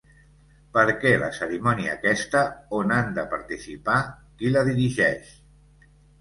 Perquè la cerimònia aquesta on han de participar, qui la dirigeix?